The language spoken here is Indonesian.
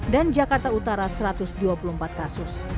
dan jakarta utara satu ratus dua puluh empat kasus